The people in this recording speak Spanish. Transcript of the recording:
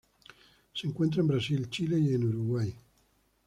Se encuentra en Brasil, Chile y en Uruguay.